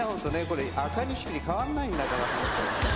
これ赤錦に変わらないんだから本当。